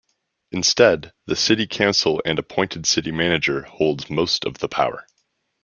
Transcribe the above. Instead, the city council and appointed city manager holds most of the power.